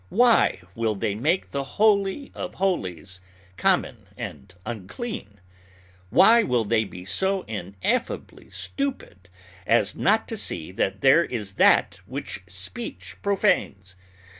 Why will they make the Holy of Holies common and unclean? Why will they be so ineffably stupid as not to see that there is that which speech profanes?